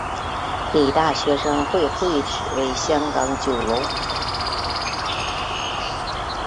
理大学生会会址为香港九龙红磡香港理工大学邵逸夫楼。